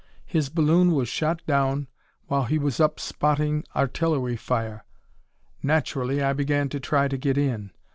His balloon was shot down while he was up spotting artillery fire. Naturally, I began to try to get in.